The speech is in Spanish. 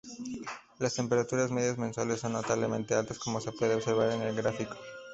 Las temperaturas medias mensuales son notablemente altas como se puede observar en el gráfico.